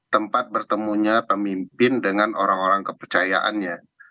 tempat bertemunya pemimpin dengan orang orang kepercayaannya